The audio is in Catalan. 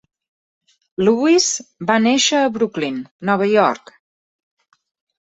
Lewis va néixer a Brooklyn, Nova York.